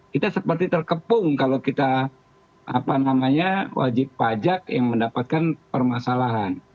kita seperti terkepung kalau kita wajib pajak yang mendapatkan permasalahan